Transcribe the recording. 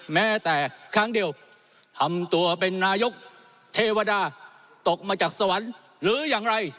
แม้แต่ครั้งเดียวทำตัวเป็นนายกเทวดาตกมาจากสวรรค์หรืออย่างไร